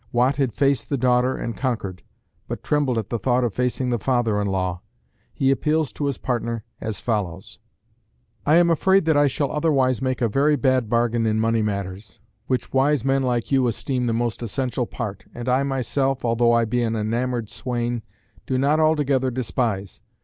Watt had faced the daughter and conquered, but trembled at the thought of facing the father in law. He appeals to his partner as follows: I am afraid that I shall otherwise make a very bad bargain in money matters, which wise men like you esteem the most essential part, and I myself, although I be an enamoured swain, do not altogether despise.